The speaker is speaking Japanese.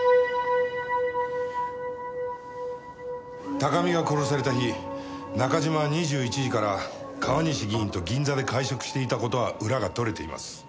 高見が殺された日中島は２１時から川西議員と銀座で会食していた事は裏が取れています。